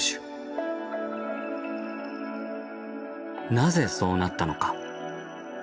なぜそうなったのか。